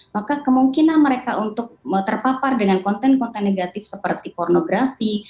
maka kemungkinan mereka untuk terpapar dengan konten konten negatif seperti pornografi